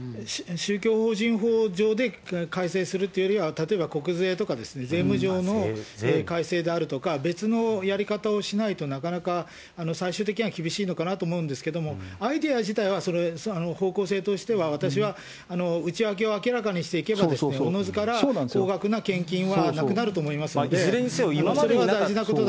宗教法人法上で改正するというよりは、例えば国税とか、税務上の改正であるとか、別のやり方をしないとなかなか、最終的には厳しいのかなと思うんですけど、アイデア自体は、それー方向性としては、私は内訳を明らかにしていけば、おのずから高額な献金はなくなると思いますので、それは大事なこ